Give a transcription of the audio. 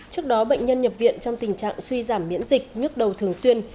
trước đó bệnh nhân nhập viện trong tình trạng suy giảm miễn dịch nhức đầu thường xuyên